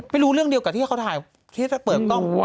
ไม่รู้เรื่องเดียวกับที่เขาถ่ายที่จะเปิดกล้อง